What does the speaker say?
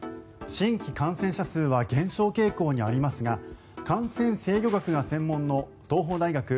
新規感染者数は減少傾向にありますが感染制御学が専門の東邦大学、